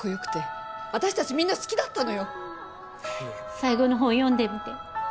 最後のほう読んでみて。